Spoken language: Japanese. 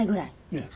ええ。